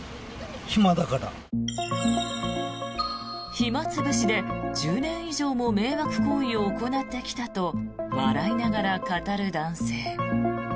暇潰しで１０年以上も迷惑行為を行ってきたと笑いながら語る男性。